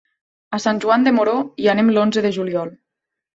A Sant Joan de Moró hi anem l'onze de juliol.